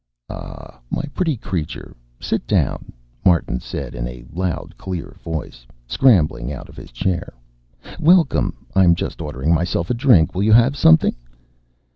"Ah, my pretty creature, sit down," Martin said in a loud, clear voice, scrambling out of his chair. "Welcome! I'm just ordering myself a drink. Will you have something?"